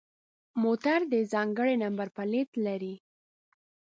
موټر د ځانگړي نمبر پلیت لري.